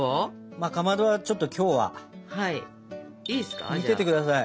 まっかまどはちょっときょうは見ててください。